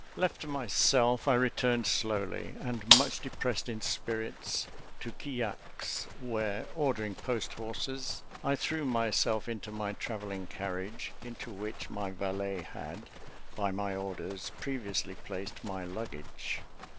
Left to myself, I returned slowly, and much depressed in spirits, to Quillac's; where, ordering post horses, I threw myself into my travelling carriage, into which my valet had, by my orders, previously placed my luggage.